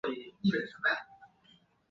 日本京都帝国大学经济学专攻毕业。